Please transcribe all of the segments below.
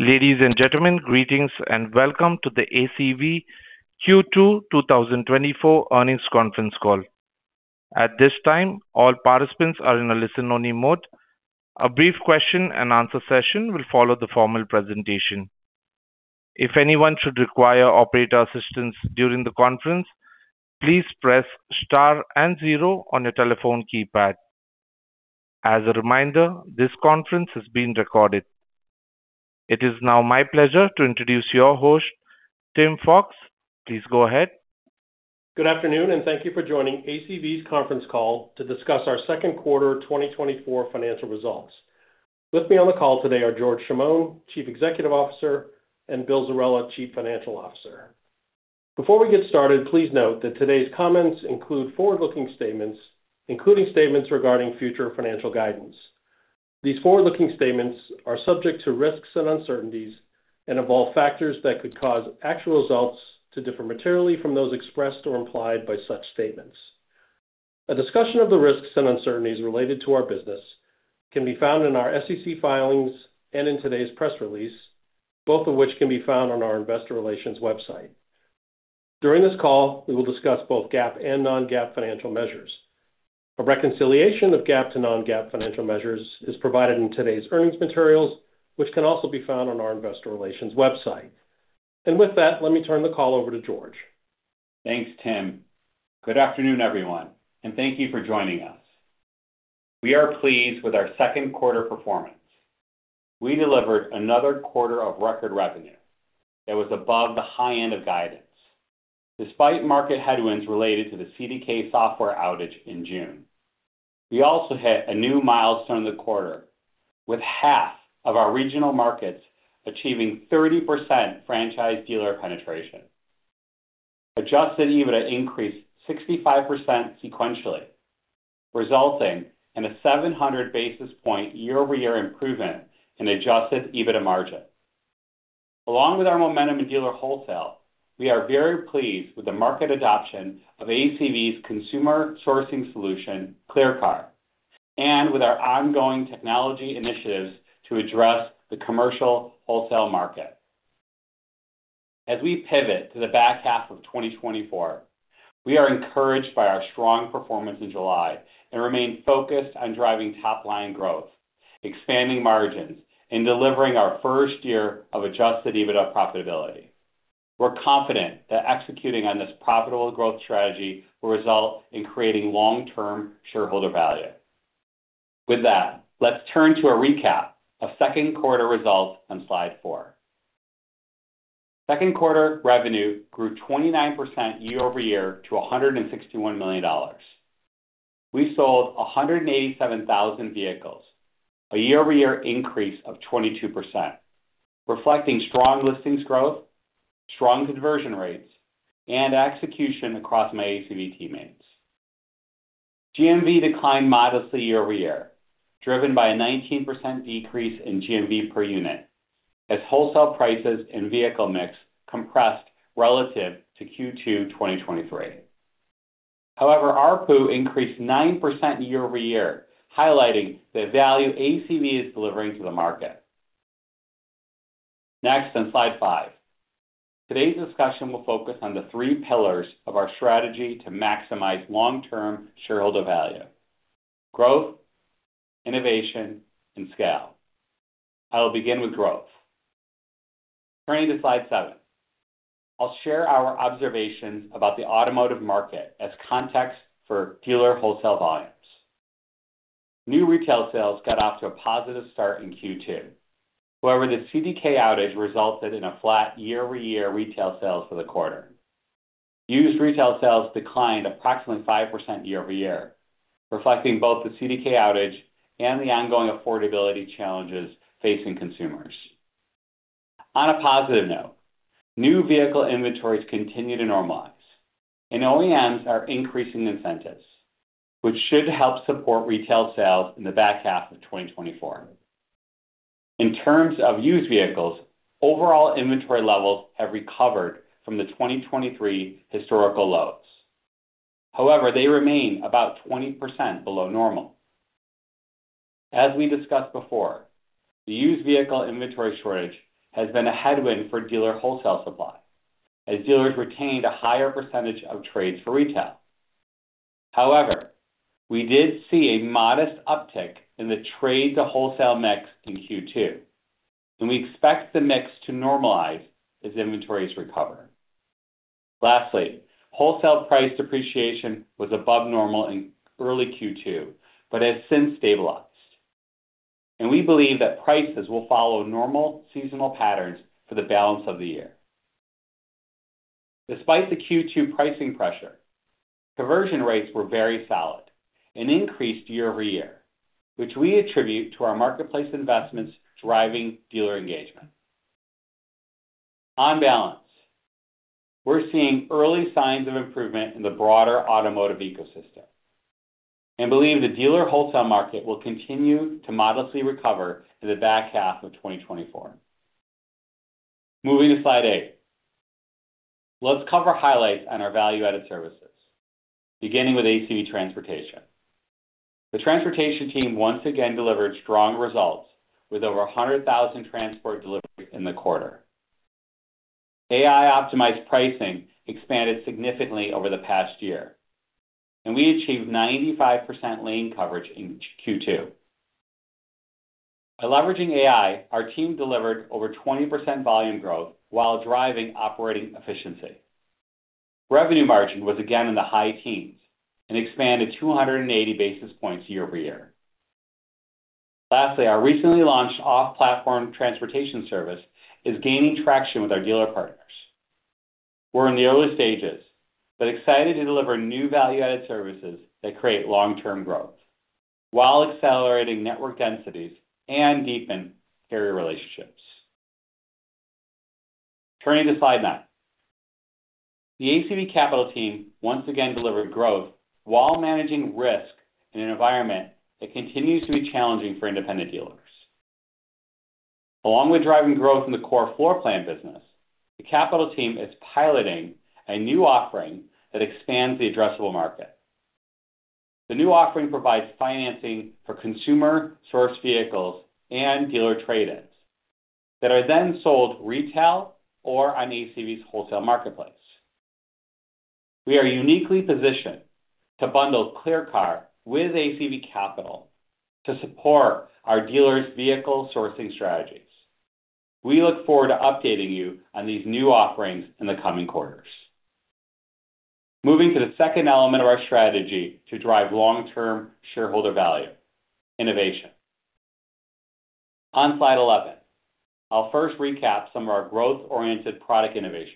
Ladies and gentlemen, greetings and welcome to the ACV Q2 2024 Earnings Conference Call. At this time, all participants are in a listen-only mode. A brief question and answer session will follow the formal presentation. If anyone should require operator assistance during the conference, please press star and zero on your telephone keypad. As a reminder, this conference is being recorded. It is now my pleasure to introduce your host, Tim Fox. Please go ahead. Good afternoon, and thank you for joining ACV's conference call to discuss our second quarter 2024 financial results. With me on the call today are George Chamoun, Chief Executive Officer, and Bill Zerella, Chief Financial Officer. Before we get started, please note that today's comments include forward-looking statements, including statements regarding future financial guidance. These forward-looking statements are subject to risks and uncertainties and involve factors that could cause actual results to differ materially from those expressed or implied by such statements. A discussion of the risks and uncertainties related to our business can be found in our SEC filings and in today's press release, both of which can be found on our investor relations website. During this call, we will discuss both GAAP and non-GAAP financial measures. A reconciliation of GAAP to non-GAAP financial measures is provided in today's earnings materials, which can also be found on our investor relations website. With that, let me turn the call over to George. Thanks, Tim. Good afternoon, everyone, and thank you for joining us. We are pleased with our second quarter performance. We delivered another quarter of record revenue that was above the high end of guidance, despite market headwinds related to the CDK software outage in June. We also hit a new milestone in the quarter, with half of our regional markets achieving 30% franchise dealer penetration. Adjusted EBITDA increased 65% sequentially, resulting in a 700 basis point year-over-year improvement in adjusted EBITDA margin. Along with our momentum in dealer wholesale, we are very pleased with the market adoption of ACV's consumer sourcing solution, ClearCar, and with our ongoing technology initiatives to address the commercial wholesale market. As we pivot to the back half of 2024, we are encouraged by our strong performance in July and remain focused on driving top-line growth, expanding margins, and delivering our first year of adjusted EBITDA profitability. We're confident that executing on this profitable growth strategy will result in creating long-term shareholder value. With that, let's turn to a recap of second quarter results on slide 4. Second quarter revenue grew 29% year-over-year to $161 million. We sold 187,000 vehicles, a year-over-year increase of 22%, reflecting strong listings growth, strong conversion rates, and execution across my ACV teammates. GMV declined modestly year-over-year, driven by a 19% decrease in GMV per unit, as wholesale prices and vehicle mix compressed relative to Q2 2023. However, ARPU increased 9% year-over-year, highlighting the value ACV is delivering to the market. Next, on slide 5. Today's discussion will focus on the three pillars of our strategy to maximize long-term shareholder value: growth, innovation, and scale. I will begin with growth. Turning to slide 7, I'll share our observations about the automotive market as context for dealer wholesale volumes. New retail sales got off to a positive start in Q2. However, the CDK outage resulted in a flat year-over-year retail sales for the quarter. Used retail sales declined approximately 5% year-over-year, reflecting both the CDK outage and the ongoing affordability challenges facing consumers. On a positive note, new vehicle inventories continue to normalize, and OEMs are increasing incentives, which should help support retail sales in the back half of 2024. In terms of used vehicles, overall inventory levels have recovered from the 2023 historical lows. However, they remain about 20% below normal. As we discussed before, the used vehicle inventory shortage has been a headwind for dealer wholesale supply, as dealers retained a higher percentage of trades for retail. However, we did see a modest uptick in the trade-to-wholesale mix in Q2, and we expect the mix to normalize as inventories recover. Lastly, wholesale price depreciation was above normal in early Q2, but has since stabilized, and we believe that prices will follow normal seasonal patterns for the balance of the year. Despite the Q2 pricing pressure, conversion rates were very solid and increased year over year, which we attribute to our marketplace investments driving dealer engagement. On balance, we're seeing early signs of improvement in the broader automotive ecosystem and believe the dealer wholesale market will continue to modestly recover in the back half of 2024. Moving to Slide 8. Let's cover highlights on our value-added services, beginning with ACV Transportation. The transportation team once again delivered strong results, with over 100,000 transport deliveries in the quarter. AI-optimized pricing expanded significantly over the past year, and we achieved 95% lane coverage in Q2. By leveraging AI, our team delivered over 20% volume growth while driving operating efficiency. Revenue margin was again in the high teens and expanded 280 basis points year-over-year. Lastly, our recently launched off-platform transportation service is gaining traction with our dealer partners. We're in the early stages, but excited to deliver new value-added services that create long-term growth, while accelerating network densities and deepen carrier relationships. Turning to slide 9. The ACV Capital team once again delivered growth while managing risk in an environment that continues to be challenging for independent dealers. Along with driving growth in the core floor plan business, the capital team is piloting a new offering that expands the addressable market. The new offering provides financing for consumer-sourced vehicles and dealer trade-ins that are then sold retail or on ACV's wholesale marketplace. We are uniquely positioned to bundle ClearCar with ACV Capital to support our dealers' vehicle sourcing strategies. We look forward to updating you on these new offerings in the coming quarters. Moving to the second element of our strategy to drive long-term shareholder value, innovation. On slide 11, I'll first recap some of our growth-oriented product innovations.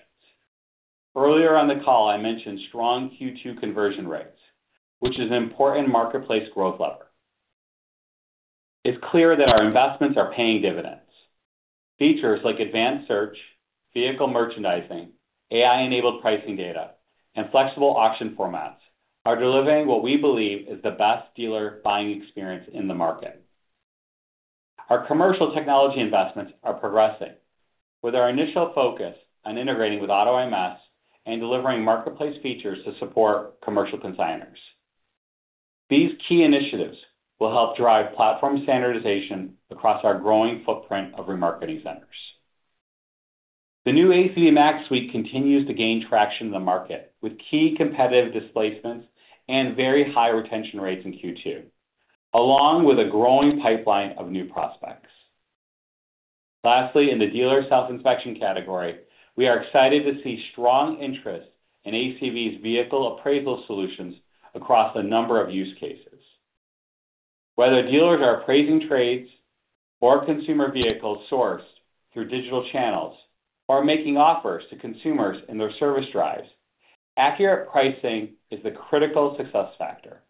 Earlier on the call, I mentioned strong Q2 conversion rates, which is an important marketplace growth lever. It's clear that our investments are paying dividends. Features like advanced search, vehicle merchandising, AI-enabled pricing data, and flexible auction formats are delivering what we believe is the best dealer buying experience in the market. Our commercial technology investments are progressing, with our initial focus on integrating with AutoIMS and delivering marketplace features to support commercial consignors. These key initiatives will help drive platform standardization across our growing footprint of remarketing centers. The new ACV Max Suite continues to gain traction in the market, with key competitive displacements and very high retention rates in Q2, along with a growing pipeline of new prospects. Lastly, in the dealer self-inspection category, we are excited to see strong interest in ACV's vehicle appraisal solutions across a number of use cases. Whether dealers are appraising trades or consumer vehicles sourced through digital channels, or making offers to consumers in their service drives, accurate pricing is the critical success factor.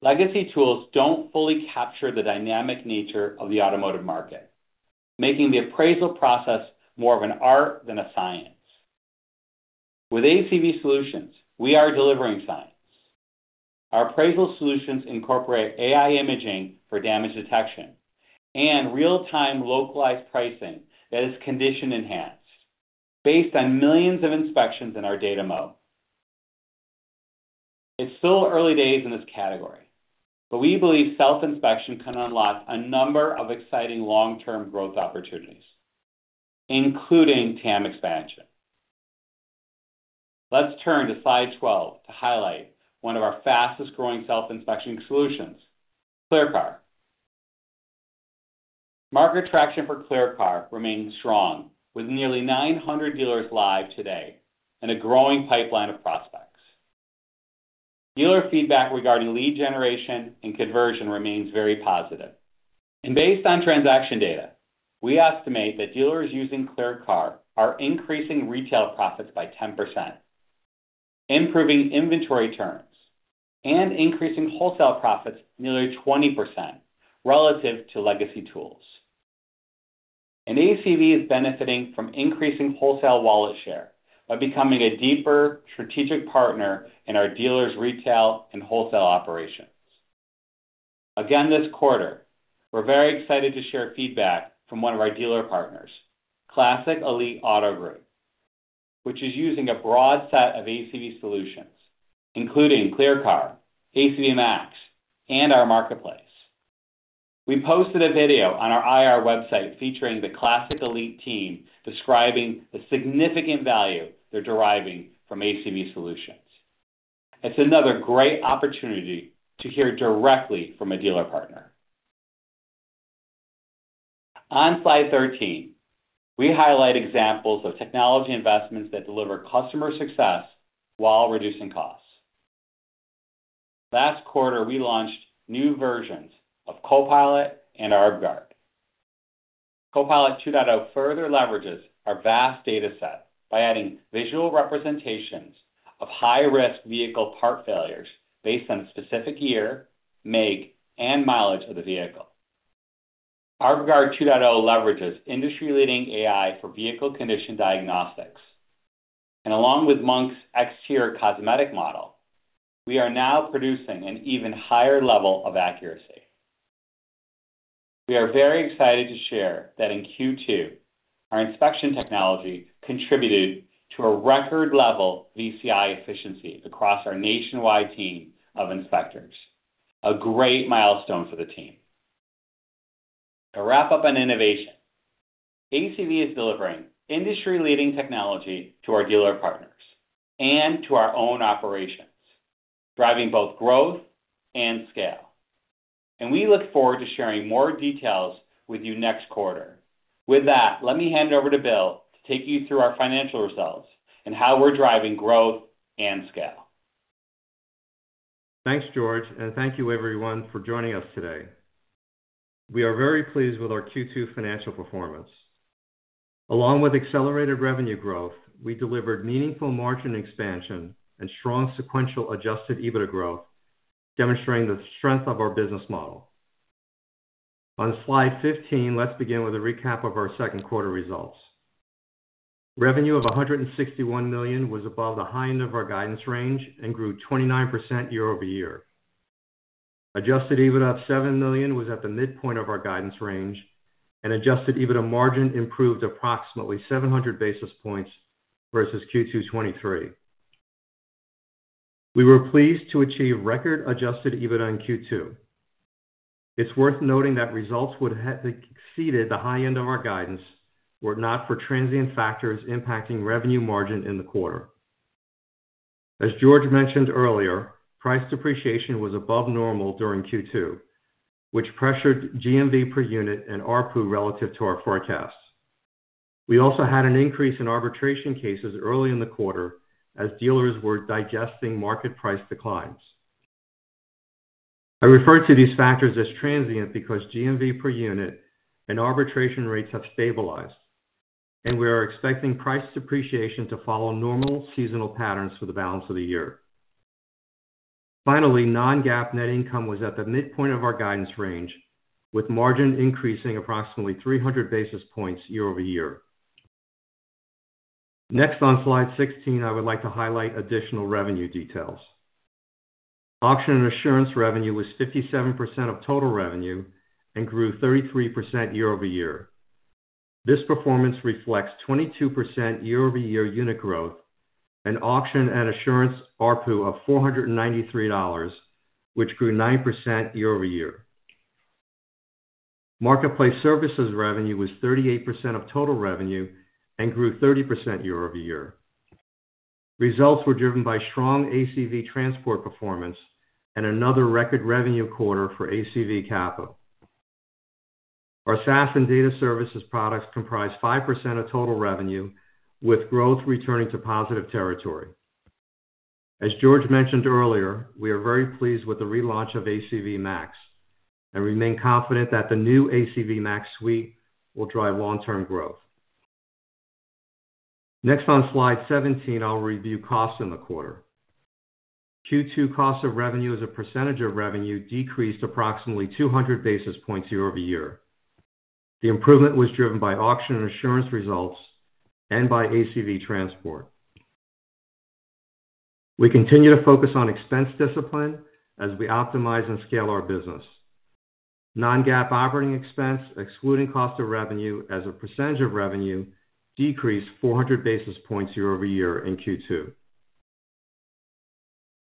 Legacy tools don't fully capture the dynamic nature of the automotive market, making the appraisal process more of an art than a science. With ACV solutions, we are delivering science. Our appraisal solutions incorporate AI imaging for damage detection and real-time localized pricing that is condition-enhanced, based on millions of inspections in our data mode. It's still early days in this category, but we believe self-inspection can unlock a number of exciting long-term growth opportunities, including TAM expansion. Let's turn to slide 12 to highlight one of our fastest-growing self-inspection solutions, ClearCar. Market traction for ClearCar remains strong, with nearly 900 dealers live today and a growing pipeline of prospects. Dealer feedback regarding lead generation and conversion remains very positive, and based on transaction data, we estimate that dealers using ClearCar are increasing retail profits by 10%, improving inventory turns, and increasing wholesale profits nearly 20% relative to legacy tools. ACV is benefiting from increasing wholesale wallet share by becoming a deeper strategic partner in our dealers' retail and wholesale operations. Again, this quarter, we're very excited to share feedback from one of our dealer partners, Classic Elite Auto Group, which is using a broad set of ACV solutions, including ClearCar, ACV Max, and our marketplace. We posted a video on our IR website featuring the Classic Elite team, describing the significant value they're deriving from ACV solutions. It's another great opportunity to hear directly from a dealer partner. On slide 13, we highlight examples of technology investments that deliver customer success while reducing costs. Last quarter, we launched new versions of Copilot and ArbGuard. Copilot 2.0 further leverages our vast data set by adding visual representations of high-risk vehicle part failures based on specific year, make, and mileage of the vehicle. ArbGuard 2.0 leverages industry-leading AI for vehicle condition diagnostics... and along with Monk's exterior cosmetic model, we are now producing an even higher level of accuracy. We are very excited to share that in Q2, our inspection technology contributed to a record level VCI efficiency across our nationwide team of inspectors. A great milestone for the team. To wrap up on innovation, ACV is delivering industry-leading technology to our dealer partners and to our own operations, driving both growth and scale, and we look forward to sharing more details with you next quarter. With that, let me hand over to Bill to take you through our financial results and how we're driving growth and scale. Thanks, George, and thank you everyone for joining us today. We are very pleased with our Q2 financial performance. Along with accelerated revenue growth, we delivered meaningful margin expansion and strong sequential Adjusted EBITDA growth, demonstrating the strength of our business model. On slide 15, let's begin with a recap of our second quarter results. Revenue of $161 million was above the high end of our guidance range and grew 29% year-over-year. Adjusted EBITDA of $7 million was at the midpoint of our guidance range, and Adjusted EBITDA margin improved approximately 700 basis points versus Q2 2023. We were pleased to achieve record Adjusted EBITDA in Q2. It's worth noting that results would have exceeded the high end of our guidance, were not for transient factors impacting revenue margin in the quarter. As George mentioned earlier, price depreciation was above normal during Q2, which pressured GMV per unit and ARPU, relative to our forecasts. We also had an increase in arbitration cases early in the quarter as dealers were digesting market price declines. I refer to these factors as transient because GMV per unit and arbitration rates have stabilized, and we are expecting price depreciation to follow normal seasonal patterns for the balance of the year. Finally, non-GAAP net income was at the midpoint of our guidance range, with margin increasing approximately 300 basis points year-over-year. Next, on slide 16, I would like to highlight additional revenue details. Auction and assurance revenue was 57% of total revenue and grew 33% year-over-year. This performance reflects 22% year-over-year unit growth and auction and assurance ARPU of $493, which grew 9% year-over-year. Marketplace services revenue was 38% of total revenue and grew 30% year-over-year. Results were driven by strong ACV Transportation performance and another record revenue quarter for ACV Capital. Our SaaS and data services products comprise 5% of total revenue, with growth returning to positive territory. As George mentioned earlier, we are very pleased with the relaunch of ACV Max, and remain confident that the new ACV Max suite will drive long-term growth. Next, on slide 17, I'll review costs in the quarter. Q2 cost of revenue as a percentage of revenue decreased approximately 200 basis points year-over-year. The improvement was driven by auction and assurance results and by ACV Transportation. We continue to focus on expense discipline as we optimize and scale our business. Non-GAAP operating expense, excluding cost of revenue as a percentage of revenue, decreased 400 basis points year-over-year in Q2.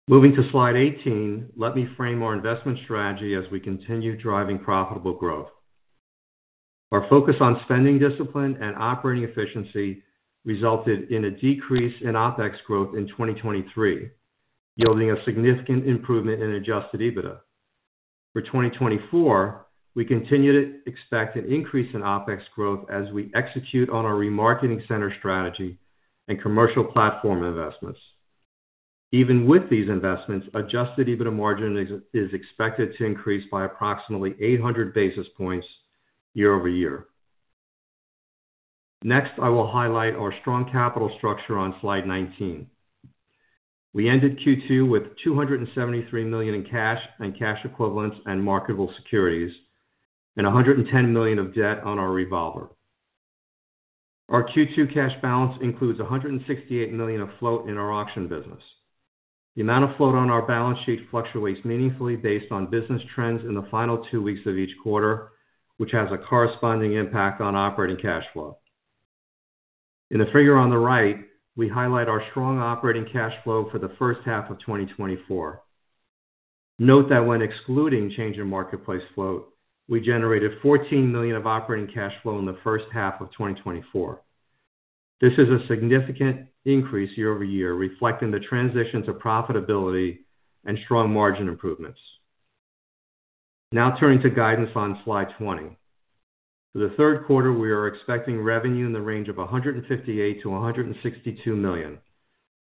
Moving to slide 18, let me frame our investment strategy as we continue driving profitable growth. Our focus on spending discipline and operating efficiency resulted in a decrease in OpEx growth in 2023, yielding a significant improvement in adjusted EBITDA. For 2024, we continue to expect an increase in OpEx growth as we execute on our remarketing center strategy and commercial platform investments. Even with these investments, adjusted EBITDA margin is expected to increase by approximately 800 basis points year-over-year. Next, I will highlight our strong capital structure on slide 19. We ended Q2 with $273 million in cash and cash equivalents and marketable securities, and $110 million of debt on our revolver. Our Q2 cash balance includes $168 million of float in our auction business. The amount of float on our balance sheet fluctuates meaningfully based on business trends in the final two weeks of each quarter, which has a corresponding impact on operating cash flow. In the figure on the right, we highlight our strong operating cash flow for the first half of 2024. Note that when excluding change in marketplace float, we generated $14 million of operating cash flow in the first half of 2024. This is a significant increase year-over-year, reflecting the transition to profitability and strong margin improvements. Now turning to guidance on slide 20. For the third quarter, we are expecting revenue in the range of $158 million-$162 million,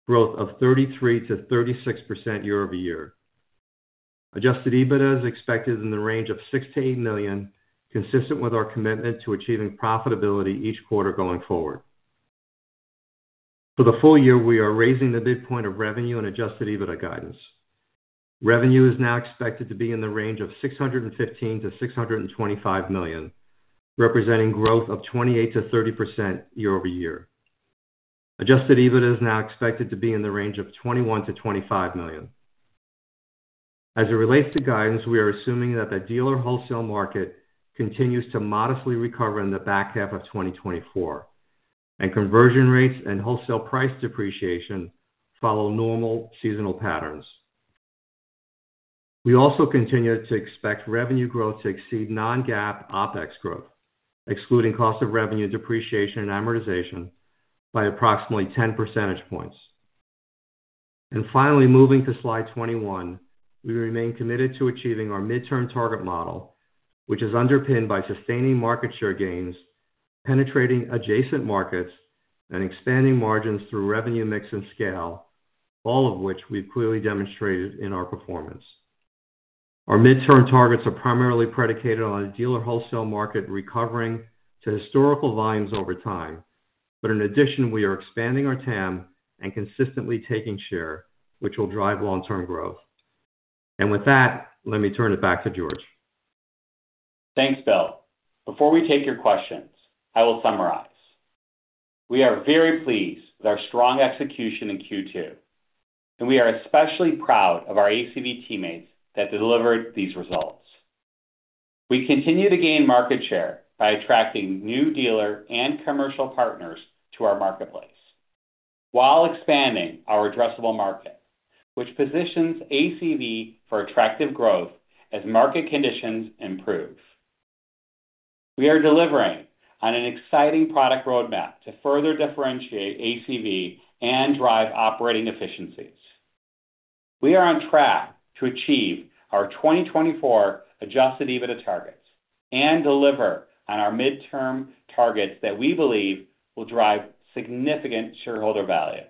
growth of 33%-36% year-over-year. Adjusted EBITDA is expected in the range of $6 million-$8 million, consistent with our commitment to achieving profitability each quarter going forward. For the full year, we are raising the midpoint of revenue and adjusted EBITDA guidance. Revenue is now expected to be in the range of $615 million-$625 million, representing growth of 28%-30% year-over-year. Adjusted EBIT is now expected to be in the range of $21 million-$25 million. As it relates to guidance, we are assuming that the dealer wholesale market continues to modestly recover in the back half of 2024, and conversion rates and wholesale price depreciation follow normal seasonal patterns. We also continue to expect revenue growth to exceed non-GAAP OpEx growth, excluding cost of revenue, depreciation, and amortization, by approximately 10 percentage points. And finally, moving to slide 21, we remain committed to achieving our midterm target model, which is underpinned by sustaining market share gains, penetrating adjacent markets, and expanding margins through revenue mix and scale, all of which we've clearly demonstrated in our performance. Our midterm targets are primarily predicated on a dealer wholesale market recovering to historical lines over time. But in addition, we are expanding our TAM and consistently taking share, which will drive long-term growth. And with that, let me turn it back to George. Thanks, Bill. Before we take your questions, I will summarize. We are very pleased with our strong execution in Q2, and we are especially proud of our ACV teammates that delivered these results. We continue to gain market share by attracting new dealer and commercial partners to our marketplace, while expanding our addressable market, which positions ACV for attractive growth as market conditions improve. We are delivering on an exciting product roadmap to further differentiate ACV and drive operating efficiencies. We are on track to achieve our 2024 Adjusted EBITDA targets and deliver on our midterm targets that we believe will drive significant shareholder value.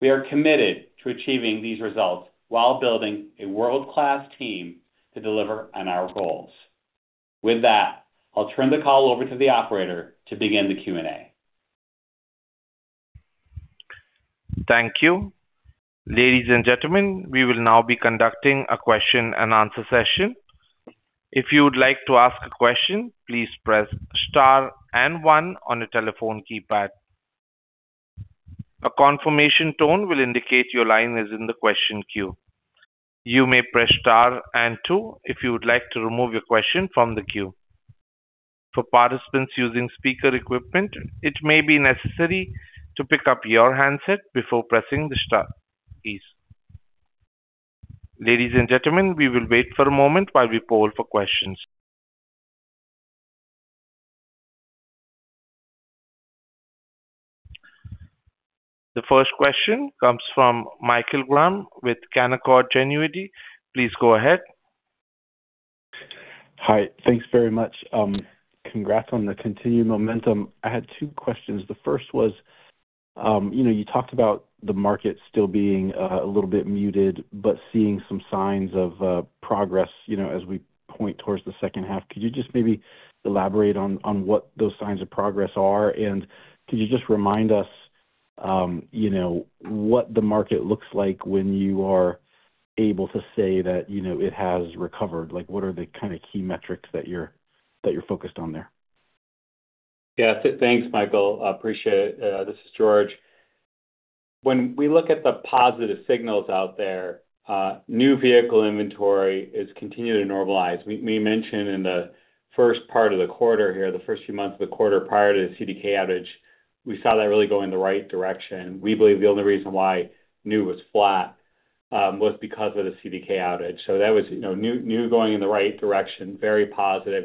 We are committed to achieving these results while building a world-class team to deliver on our goals. With that, I'll turn the call over to the operator to begin the Q&A. Thank you. Ladies and gentlemen, we will now be conducting a question-and-answer session. If you would like to ask a question, please press Star and One on your telephone keypad. A confirmation tone will indicate your line is in the question queue. You may press Star and two if you would like to remove your question from the queue. For participants using speaker equipment, it may be necessary to pick up your handset before pressing the star, please. Ladies and gentlemen, we will wait for a moment while we poll for questions. The first question comes from Michael Graham with Canaccord Genuity. Please go ahead. Hi. Thanks very much. Congrats on the continued momentum. I had two questions. The first was, you know, you talked about the market still being a little bit muted, but seeing some signs of progress, you know, as we point towards the second half. Could you just maybe elaborate on, on what those signs of progress are? And could you just remind us, you know, what the market looks like when you are able to say that, you know, it has recovered? Like, what are the kind of key metrics that you're, that you're focused on there? Yeah. Thanks, Michael. I appreciate it. This is George. When we look at the positive signals out there, new vehicle inventory is continuing to normalize. We mentioned in the first part of the quarter here, the first few months of the quarter prior to the CDK outage, we saw that really going in the right direction. We believe the only reason why new was flat was because of the CDK outage. So that was, you know, new going in the right direction, very positive.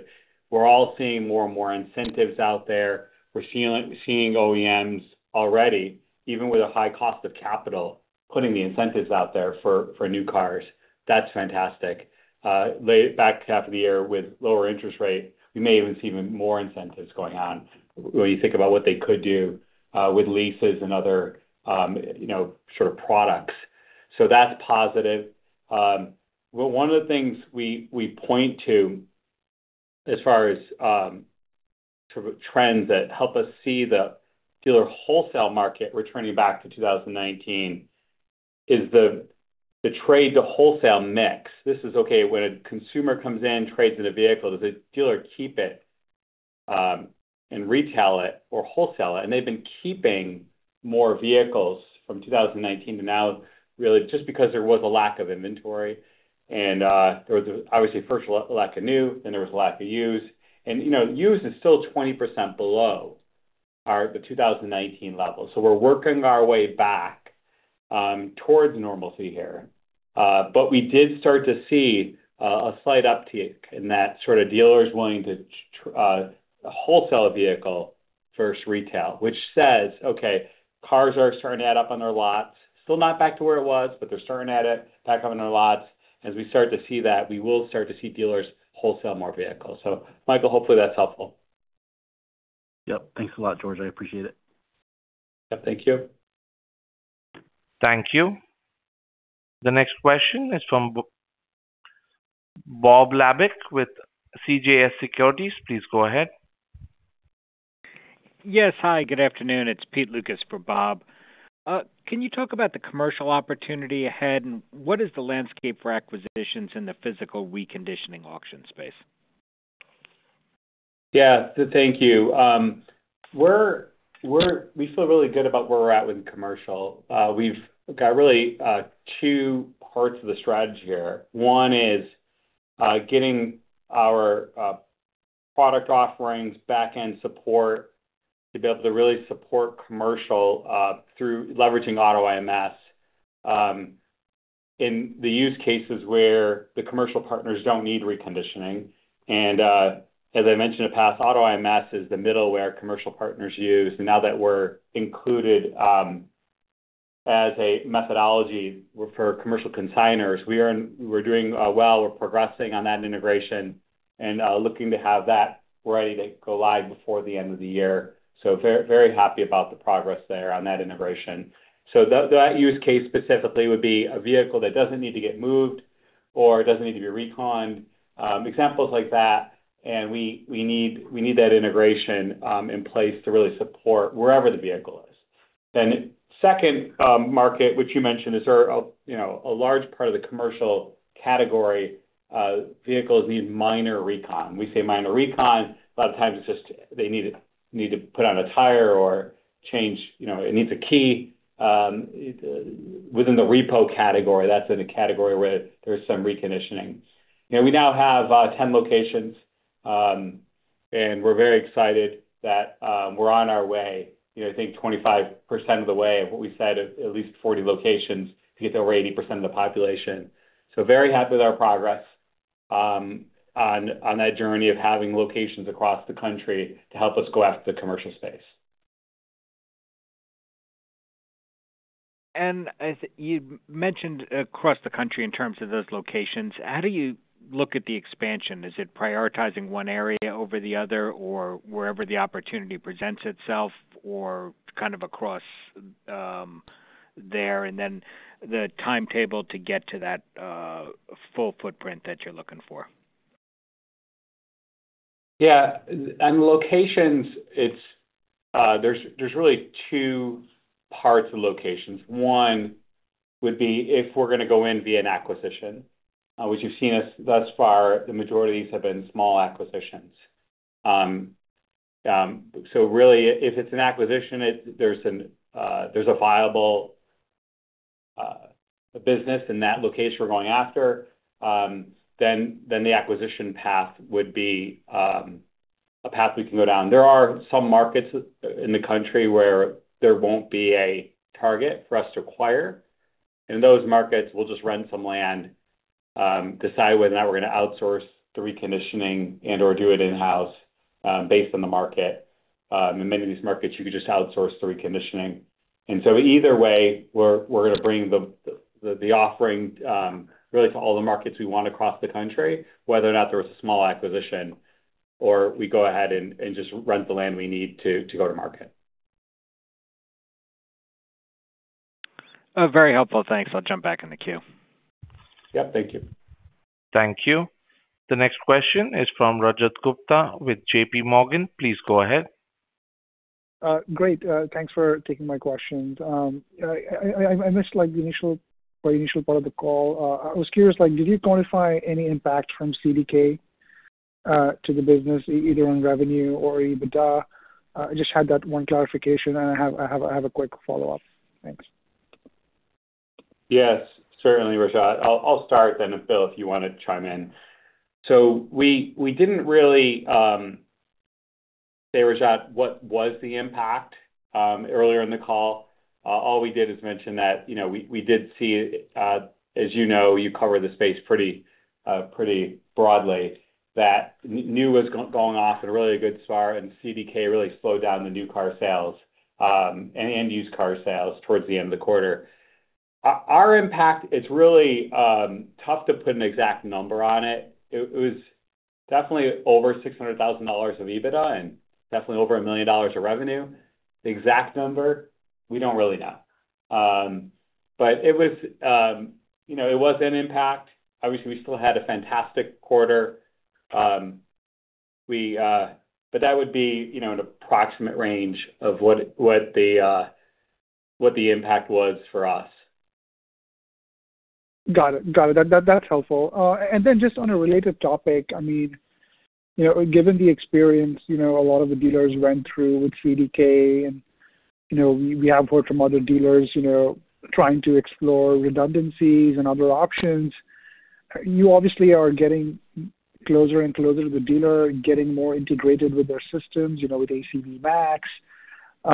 We're all seeing more and more incentives out there. We're seeing OEMs already, even with a high cost of capital, putting the incentives out there for new cars. That's fantastic. Back half of the year, with lower interest rate, we may even see even more incentives going on when you think about what they could do, with leases and other, you know, sort of products. So that's positive. Well, one of the things we, we point to as far as, sort of trends that help us see the dealer wholesale market returning back to 2019, is the, the trade to wholesale mix. This is okay when a consumer comes in, trades in a vehicle, does the dealer keep it, and retail it or wholesale it? And they've been keeping more vehicles from 2019 to now, really, just because there was a lack of inventory and, there was obviously first lack of new, then there was a lack of used. You know, used is still 20% below our, the 2019 levels. So we're working our way back towards normalcy here. But we did start to see a slight uptick in that sort of dealers willing to wholesale a vehicle first retail, which says, okay, cars are starting to add up on their lots. Still not back to where it was, but they're starting to add it back up on their lots. As we start to see that, we will start to see dealers wholesale more vehicles. So Michael, hopefully that's helpful. Yep. Thanks a lot, George. I appreciate it. Yep. Thank you. Thank you. The next question is from Bob Labick with CJS Securities. Please go ahead.... Yes. Hi, good afternoon. It's Pete Lucas for Bob. Can you talk about the commercial opportunity ahead? And what is the landscape for acquisitions in the physical reconditioning auction space? Yeah, thank you. We feel really good about where we're at with commercial. We've got really two parts of the strategy here. One is getting our product offerings, back-end support, to be able to really support commercial through leveraging AutoIMS in the use cases where the commercial partners don't need reconditioning. And as I mentioned in the past, AutoIMS is the middle where commercial partners use. Now that we're included as a methodology for commercial consignors, we're doing well. We're progressing on that integration and looking to have that ready to go live before the end of the year. So very, very happy about the progress there on that integration. So, that use case specifically would be a vehicle that doesn't need to get moved or doesn't need to be reconned, examples like that. And we need that integration in place to really support wherever the vehicle is. Then, second market, which you mentioned, is there, you know, a large part of the commercial category, vehicles need minor recon. We say minor recon. A lot of times it's just they need to put on a tire or change, you know, it needs a key within the repo category. That's in a category where there's some reconditioning. You know, we now have 10 locations, and we're very excited that we're on our way, you know, I think 25% of the way of what we said, at least 40 locations to get over 80% of the population. So very happy with our progress, on that journey of having locations across the country to help us go after the commercial space. As you mentioned, across the country in terms of those locations, how do you look at the expansion? Is it prioritizing one area over the other, or wherever the opportunity presents itself, or kind of across there, and then the timetable to get to that full footprint that you're looking for? Yeah. On locations, it's, there's really two parts of locations. One would be if we're gonna go in via an acquisition, which you've seen us thus far, the majority of these have been small acquisitions. So really, if it's an acquisition, it, there's a viable business in that location we're going after, then the acquisition path would be a path we can go down. There are some markets in the country where there won't be a target for us to acquire. In those markets, we'll just rent some land, decide whether or not we're gonna outsource the reconditioning and/or do it in-house, based on the market. In many of these markets, you could just outsource the reconditioning. And so either way, we're gonna bring the offering really to all the markets we want across the country, whether or not there was a small acquisition or we go ahead and just rent the land we need to go to market. Very helpful. Thanks. I'll jump back in the queue. Yep, thank you. Thank you. The next question is from Rajat Gupta with JP Morgan. Please go ahead. Great. Thanks for taking my questions. I missed, like, the initial, very initial part of the call. I was curious, like, did you quantify any impact from CDK to the business, either on revenue or EBITDA? I just had that one clarification, and I have a quick follow-up. Thanks. Yes, certainly, Rajat. I'll start then, Bill, if you want to chime in. So we didn't really say, Rajat, what was the impact earlier in the call. All we did is mention that, you know, we did see, as you know, you cover the space pretty broadly, that new was going off at a really good start, and CDK really slowed down the new car sales and used car sales towards the end of the quarter. Our impact, it's really tough to put an exact number on it. It was definitely over $600,000 of EBITDA and definitely over $1 million of revenue. The exact number, we don't really know. But it was, you know, it was an impact. Obviously, we still had a fantastic quarter. We... But that would be, you know, an approximate range of what the impact was for us. Got it. Got it. That, that's helpful. And then just on a related topic, I mean, you know, given the experience, you know, a lot of the dealers went through with CDK, and, you know, we, we have heard from other dealers, you know, trying to explore redundancies and other options. You obviously are getting closer and closer to the dealer, getting more integrated with their systems, you know, with ACV Max, you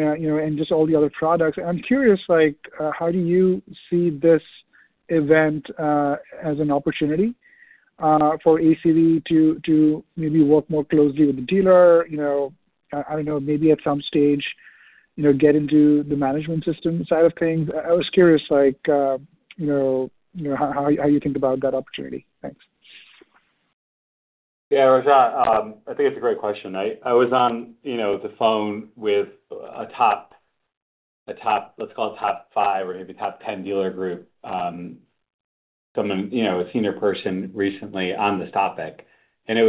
know, you know, and just all the other products. I'm curious, like, how do you see this event, as an opportunity, for ACV to, to maybe work more closely with the dealer? You know, I don't know, maybe at some stage, you know, get into the management system side of things. I was curious, like, you know, you know, how, how you think about that opportunity? Thanks. Yeah, Rajat, I think it's a great question. I was on, you know, the phone with a top five or maybe top 10 dealer group, from, you know, a senior person recently on this topic. And it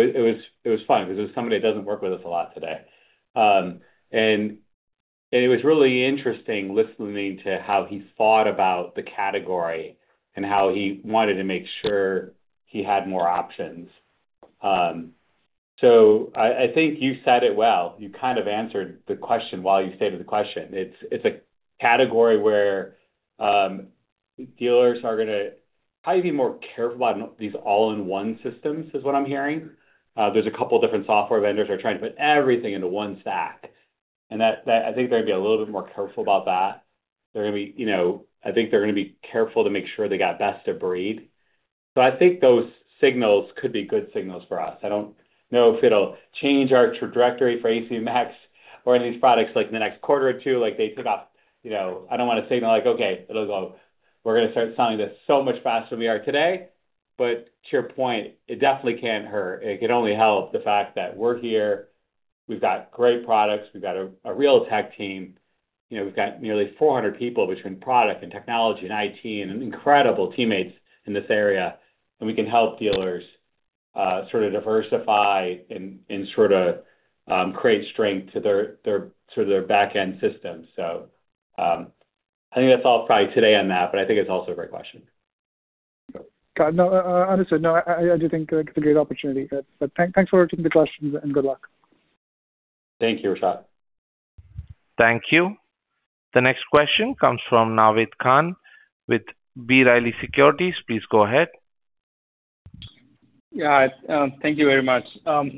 was fun because it was somebody that doesn't work with us a lot today. And it was really interesting listening to how he thought about the category and how he wanted to make sure he had more options. So I think you said it well. You kind of answered the question while you stated the question. It's a category where dealers are gonna probably be more careful about these all-in-one systems, is what I'm hearing. There's a couple of different software vendors are trying to put everything into one stack, and that I think they're gonna be a little bit more careful about that. They're gonna be, you know, I think they're gonna be careful to make sure they got best of breed. So I think those signals could be good signals for us. I don't know if it'll change our trajectory for ACV Max or any of these products, like, in the next quarter or two, like they took off. You know, I don't want to signal like, "Okay, it'll go. We're gonna start selling this so much faster than we are today." But to your point, it definitely can't hurt. It could only help the fact that we're here, we've got great products, we've got a real tech team. You know, we've got nearly 400 people between product and technology and IT, and incredible teammates in this area, and we can help dealers sort of diversify and sort of create strength to their sort of back-end system. So, I think that's all probably today on that, but I think it's also a great question. Got it. No, understood. No, I do think it's a great opportunity. But thanks for taking the questions, and good luck. Thank you, Rajat. Thank you. The next question comes from Naved Khan with B. Riley Securities. Please go ahead. Yeah, thank you very much. I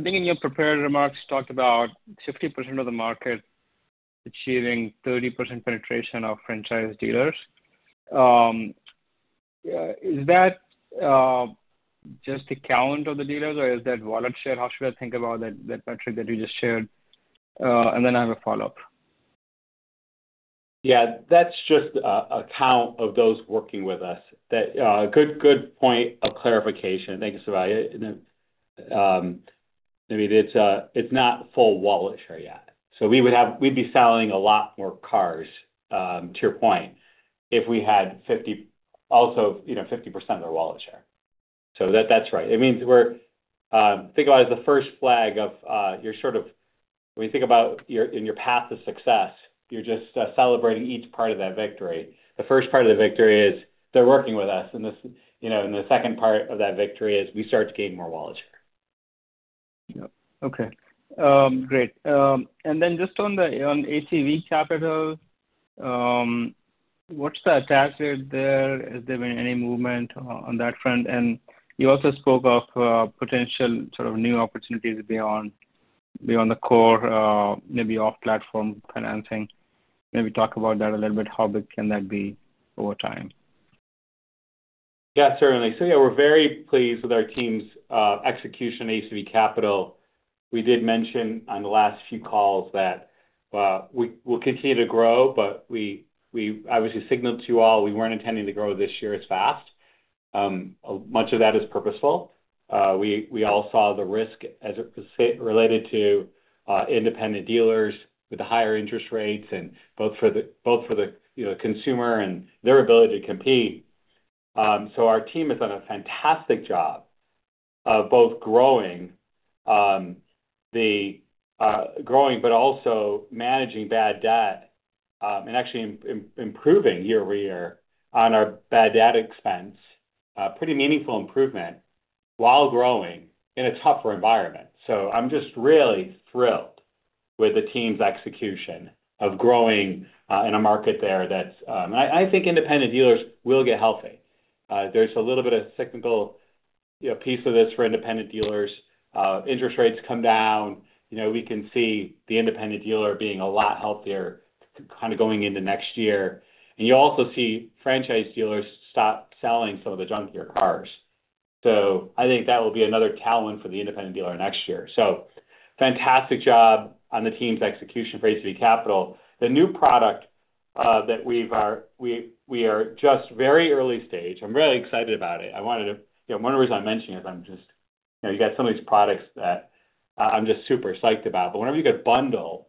think in your prepared remarks, you talked about 50% of the market achieving 30% penetration of franchise dealers. Is that just a count of the dealers, or is that wallet share? How should I think about that, that metric that you just shared? And then I have a follow-up. Yeah, that's just a count of those working with us. That's a good point of clarification. Thank you, Navid. I mean, it's not full wallet share yet. So we would have—we'd be selling a lot more cars, to your point, if we had 50, also, you know, 50% of the wallet share. So that's right. It means we're think about it as the first flag of, you're sort of when you think about your, in your path to success, you're just celebrating each part of that victory. The first part of the victory is they're working with us, and this, you know, and the second part of that victory is we start to gain more wallet share. Yeah. Okay. Great. And then just on ACV Capital, what's the attach rate there? Has there been any movement on that front? And you also spoke of potential sort of new opportunities beyond the core, maybe off-platform financing. Maybe talk about that a little bit. How big can that be over time? Yeah, certainly. So yeah, we're very pleased with our team's execution ACV Capital. We did mention on the last few calls that we will continue to grow, but we obviously signaled to you all we weren't intending to grow this year as fast. Much of that is purposeful. We all saw the risk as it related to independent dealers with the higher interest rates and both for the consumer and their ability to compete. So our team has done a fantastic job of both growing but also managing bad debt and actually improving year over year on our bad debt expense. Pretty meaningful improvement while growing in a tougher environment. So I'm just really thrilled with the team's execution of growing in a market there that's... I think independent dealers will get healthy. There's a little bit of cyclical, you know, piece of this for independent dealers. Interest rates come down, you know, we can see the independent dealer being a lot healthier kind of going into next year. You also see franchise dealers stop selling some of the junkier cars. I think that will be another tailwind for the independent dealer next year. Fantastic job on the team's execution for ACV Capital. The new product that we are just very early stage. I'm really excited about it. I wanted to. You know, one of the reasons I'm mentioning is I'm just, you know, you got some of these products that I'm just super psyched about. But whenever you can bundle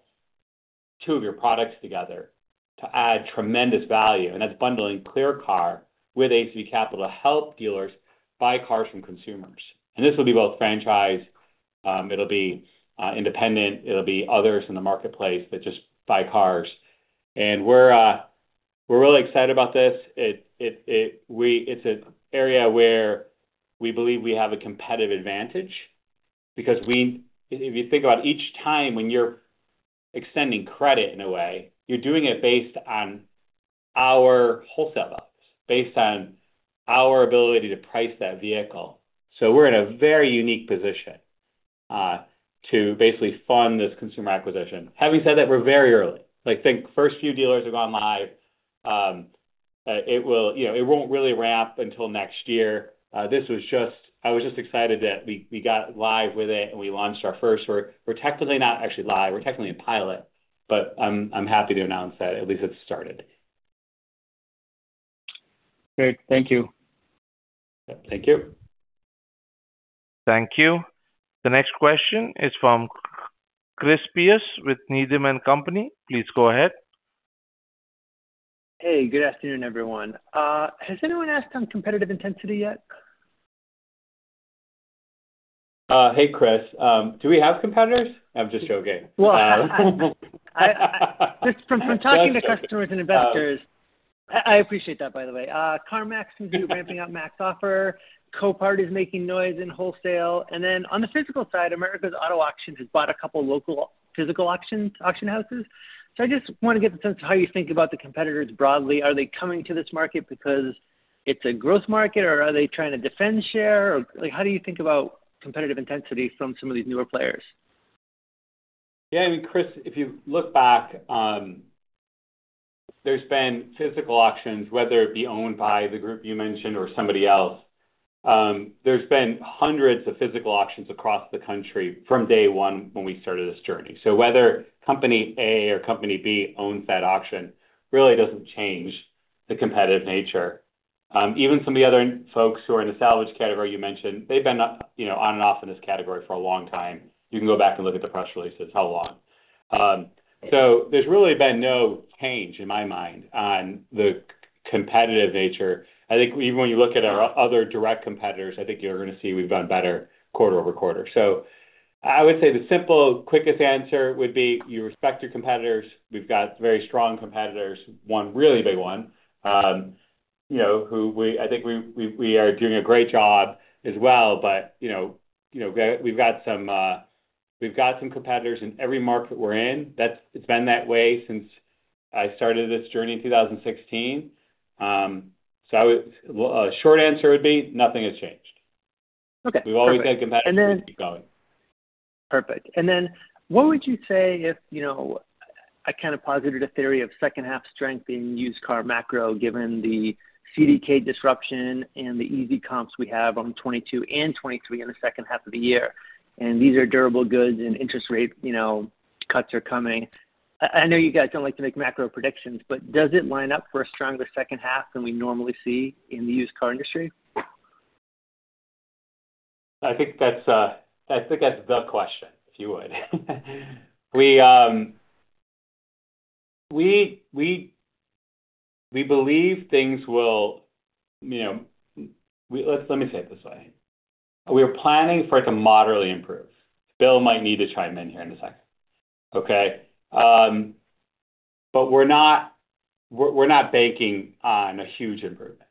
two of your products together to add tremendous value, and that's bundling ClearCar with ACV Capital to help dealers buy cars from consumers. And this will be both franchise, it'll be independent, it'll be others in the marketplace that just buy cars. And we're really excited about this. It's an area where we believe we have a competitive advantage because we... If you think about each time when you're extending credit, in a way, you're doing it based on our wholesale value, based on our ability to price that vehicle. So we're in a very unique position to basically fund this consumer acquisition. Having said that, we're very early. Like, think first few dealers have gone live. It will, you know, it won't really ramp until next year. This was just, I was just excited that we got live with it, and we launched our first... We're technically not actually live. We're technically in pilot, but I'm happy to announce that at least it started.... Great. Thank you. Thank you. Thank you. The next question is from Chris Pierce with Needham & Company. Please go ahead. Hey, good afternoon, everyone. Has anyone asked on competitive intensity yet? Hey, Chris. Do we have competitors? I'm just joking. Well, just from talking to customers and investors. I appreciate that, by the way. CarMax seems to be ramping up MaxOffer. Copart is making noise in wholesale. And then on the physical side, America's Auto Auctions has bought a couple local physical auctions, auction houses. So I just want to get the sense of how you think about the competitors broadly. Are they coming to this market because it's a growth market, or are they trying to defend share? Or, like, how do you think about competitive intensity from some of these newer players? Yeah, I mean, Chris, if you look back, there's been physical auctions, whether it be owned by the group you mentioned or somebody else. There's been hundreds of physical auctions across the country from day one when we started this journey. So whether company A or company B owns that auction, really doesn't change the competitive nature. Even some of the other folks who are in the salvage category you mentioned, they've been, you know, on and off in this category for a long time. You can go back and look at the press releases, how long. So there's really been no change, in my mind, on the competitive nature. I think even when you look at our other direct competitors, I think you're gonna see we've done better quarter-over-quarter. So I would say the simple, quickest answer would be, you respect your competitors. We've got very strong competitors, one really big one, you know, who I think we are doing a great job as well. But, you know, we've got some competitors in every market we're in. That's. It's been that way since I started this journey in 2016. So, short answer would be, nothing has changed. Okay, perfect. We've always had competitors, and keep going. Perfect. And then what would you say if, you know, I kind of posited a theory of second half strength in used car macro, given the CDK disruption and the easy comps we have on 2022 and 2023 in the second half of the year, and these are durable goods and interest rate, you know, cuts are coming. I, I know you guys don't like to make macro predictions, but does it line up for a stronger second half than we normally see in the used car industry? I think that's the question, if you would. We believe things will, you know. Let me say it this way. We're planning for it to moderately improve. Bill might need to chime in here in a second. Okay? But we're not banking on a huge improvement.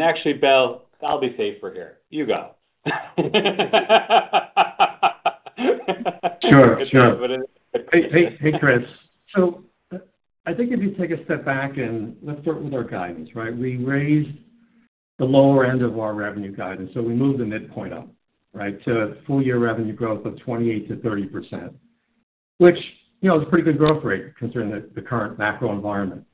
Actually, Bill, I'll be safer here. You go. Sure, sure. Hey, hey, hey, Chris. So I think if you take a step back and let's start with our guidance, right? We raised the lower end of our revenue guidance, so we moved the midpoint up, right, to full year revenue growth of 28%-30%, which, you know, is a pretty good growth rate considering the current macro environment.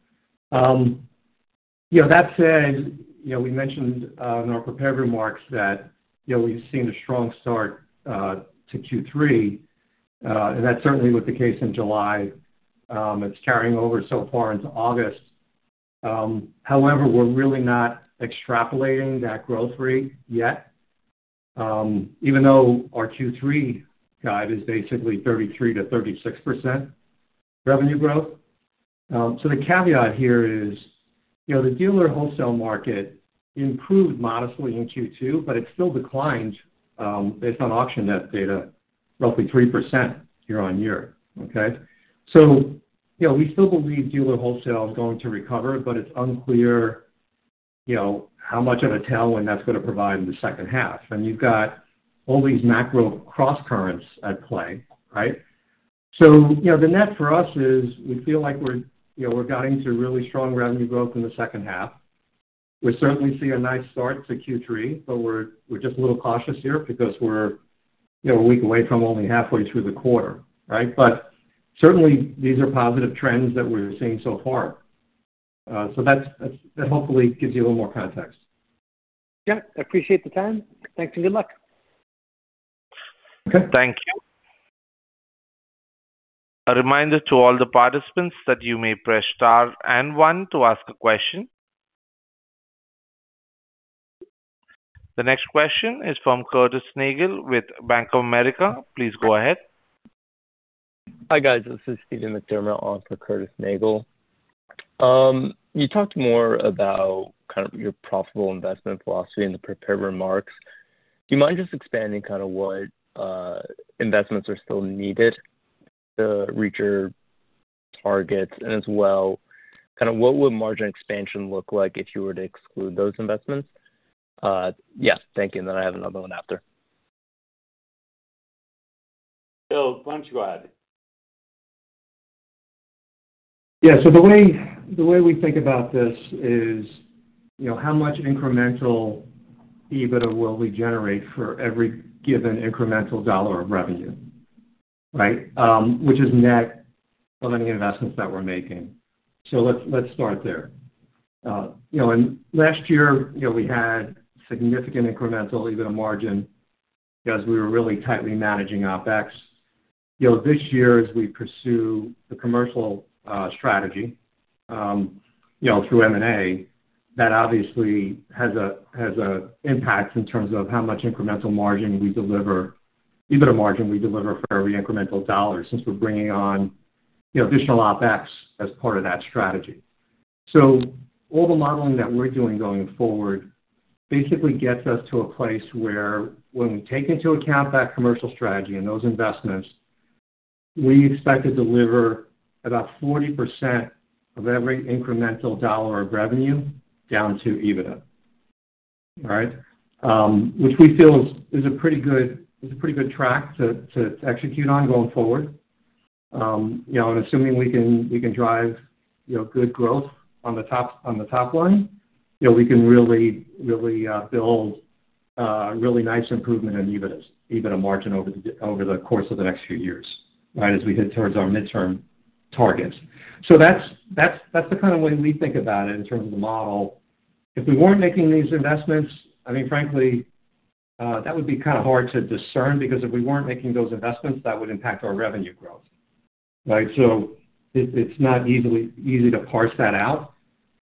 You know, that said, you know, we mentioned in our prepared remarks that, you know, we've seen a strong start to Q3, and that's certainly as was the case in July. It's carrying over so far into August. However, we're really not extrapolating that growth rate yet, even though our Q3 guide is basically 33%-36% revenue growth. So the caveat here is, you know, the dealer wholesale market improved modestly in Q2, but it still declined, based on auction net data, roughly 3% year-on-year, okay? So, you know, we still believe dealer wholesale is going to recover, but it's unclear, you know, how much of a tailwind that's gonna provide in the second half. And you've got all these macro crosscurrents at play, right? So, you know, the net for us is we feel like we're, you know, we're guiding to really strong revenue growth in the second half. We certainly see a nice start to Q3, but we're, we're just a little cautious here because we're, you know, a week away from only halfway through the quarter, right? But certainly, these are positive trends that we're seeing so far. So that's that hopefully gives you a little more context. Yeah, I appreciate the time. Thanks and good luck. Okay. Thank you. A reminder to all the participants that you may press Star and one to ask a question. The next question is from Curtis Nagle with Bank of America. Please go ahead. Hi, guys, this is Steven McDermott, on for Curtis Nagle. You talked more about kind of your profitable investment philosophy in the prepared remarks. Do you mind just expanding kind of what investments are still needed to reach your targets? And as well, kind of what would margin expansion look like if you were to exclude those investments? Yeah, thank you. And then I have another one after. Bill, why don't you go ahead? Yeah, so the way we think about this is, you know, how much incremental EBITDA will we generate for every given incremental dollar of revenue, right? Which is net of any investments that we're making. So let's start there. You know, and last year, you know, we had significant incremental EBITDA margin because we were really tightly managing OpEx.... You know, this year, as we pursue the commercial strategy, you know, through M&A, that obviously has a impact in terms of how much incremental margin we deliver, EBITDA margin we deliver for every incremental dollar, since we're bringing on, you know, additional OpEx as part of that strategy. So all the modeling that we're doing going forward basically gets us to a place where when we take into account that commercial strategy and those investments, we expect to deliver about 40% of every incremental dollar of revenue down to EBITDA. All right? Which we feel is a pretty good track to execute on going forward. You know, and assuming we can drive good growth on the top line, you know, we can really build a really nice improvement in EBITDA's, EBITDA margin over the course of the next few years, right? As we head towards our midterm targets. So that's the kind of way we think about it in terms of the model. If we weren't making these investments, I mean, frankly, that would be kind of hard to discern, because if we weren't making those investments, that would impact our revenue growth, right? So it's not easy to parse that out,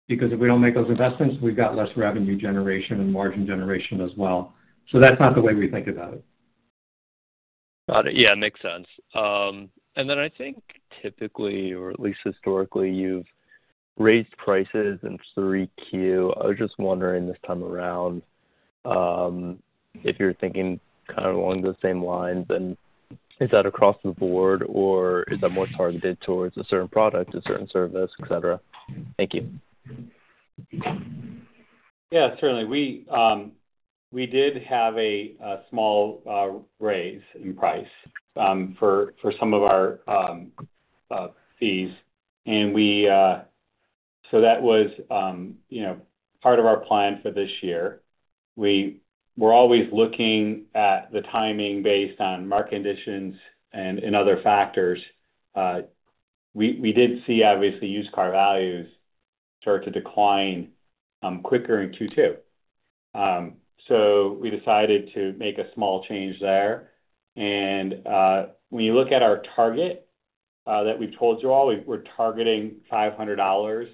because if we don't make those investments, we've got less revenue generation and margin generation as well. So that's not the way we think about it. Got it. Yeah, makes sense. And then I think typically, or at least historically, you've raised prices in 3Q. I was just wondering this time around, if you're thinking kind of along the same lines, and is that across the board, or is that more targeted towards a certain product, a certain service, et cetera? Thank you. Yeah, certainly. We did have a small raise in price for some of our fees. So that was, you know, part of our plan for this year. We were always looking at the timing based on market conditions and other factors. We did see, obviously, used car values start to decline quicker in Q2. So we decided to make a small change there. And when you look at our target that we've told you all, we're targeting $500.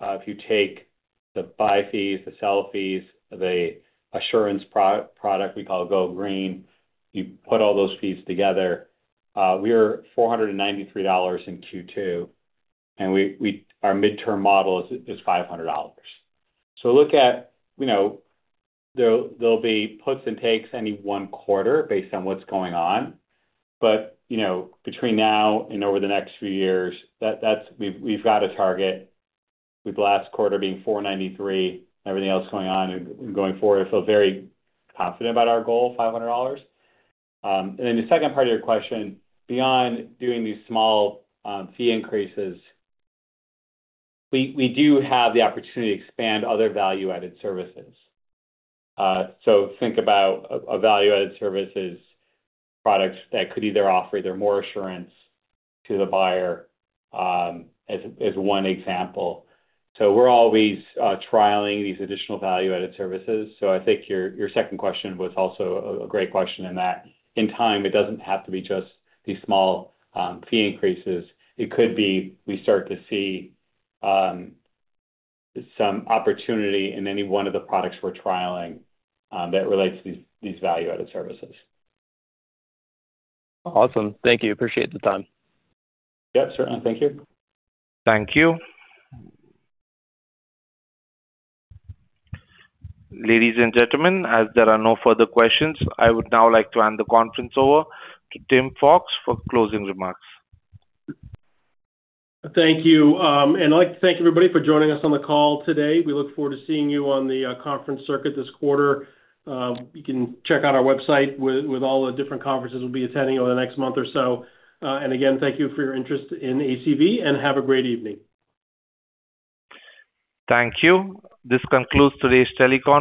If you take the buy fees, the sell fees, the assurance product we call Go Green, you put all those fees together, we are $493 in Q2, and our midterm model is $500. So look at, you know, there'll be puts and takes any one quarter based on what's going on. But, you know, between now and over the next few years, that's. We've got a target, with last quarter being $493, everything else going on and going forward, I feel very confident about our goal, $500. And then the second part of your question, beyond doing these small fee increases, we do have the opportunity to expand other value-added services. So think about a value-added services, products that could either offer more assurance to the buyer, as one example. So we're always trialing these additional value-added services. So I think your second question was also a great question in that in time, it doesn't have to be just these small fee increases. It could be we start to see, some opportunity in any one of the products we're trialing, that relates to these, these value-added services. Awesome. Thank you. Appreciate the time. Yeah, certainly. Thank you. Thank you. Ladies and gentlemen, as there are no further questions, I would now like to hand the conference over to Tim Fox for closing remarks. Thank you. I'd like to thank everybody for joining us on the call today. We look forward to seeing you on the conference circuit this quarter. You can check out our website with all the different conferences we'll be attending over the next month or so. Again, thank you for your interest in ACV, and have a great evening. Thank you. This concludes today's telecon.